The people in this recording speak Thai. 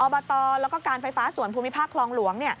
บตแล้วก็การไฟฟ้าส่วนภูมิภาคคลองหลวง